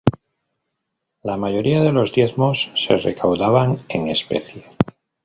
La mayoría de los diezmos se recaudaban en especie.